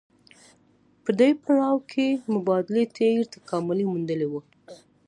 په دې پړاو کې مبادلې ډېر تکامل موندلی وو